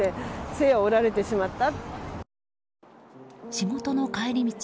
仕事の帰り道